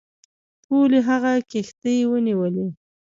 ټولي هغه کښتۍ ونیولې.